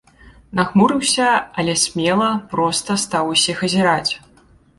Нахмурыўся, але смела, проста стаў усіх азіраць.